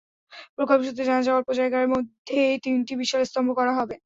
প্রকল্প সূত্রে জানা যায়, অল্প জায়গার মধ্যে তিনটি বিশাল স্তম্ভ করা হবে।